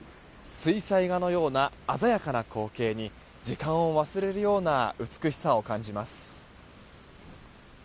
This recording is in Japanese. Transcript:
水彩画のような鮮やかな光景に時間を忘れるような美しさを感じます。